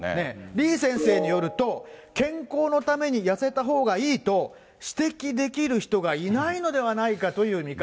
李先生によると、健康のために痩せたほうがいいと、指摘できる人がいないのではないかという見方。